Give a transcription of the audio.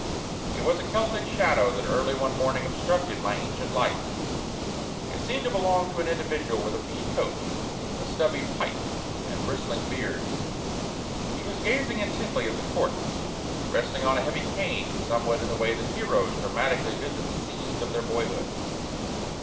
It was a Celtic shadow that early one morning obstructed my ancient lights. It seemed to belong to an individual with a pea coat, a stubby pipe, and bristling beard. He was gazing intently at the court, resting on a heavy cane, somewhat in the way that heroes dramatically visit the scenes of their boyhood.